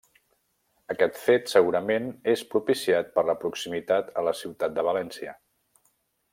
Aquest fet segurament és propiciat per la proximitat a la ciutat de València.